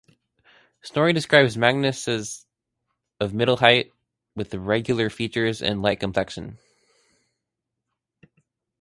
Snorri describes Magnus as:of middle height, with regular features and light complexion.